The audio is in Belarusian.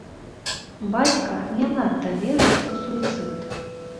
Бацька не надта верыць у суіцыд.